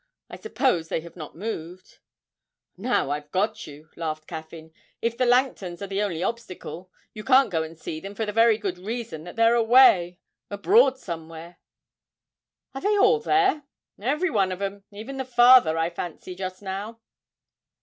I suppose they have not moved?' 'Now I've got you!' laughed Caffyn; 'if the Langtons are the only obstacle, you can't go and see them, for the very good reason that they're away abroad somewhere!' 'Are they all there?' 'Every one of 'em; even the father, I fancy, just now.'